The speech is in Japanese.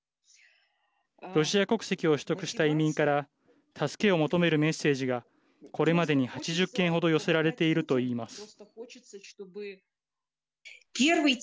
ロシア国籍を取得した移民から助けを求めるメッセージがこれまでに８０件ほど寄せられているといいます。